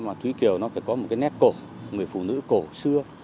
mà thúy kiều nó phải có một cái nét cổ người phụ nữ cổ xưa